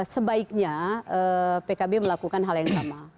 sebaiknya pkb melakukan hal yang sama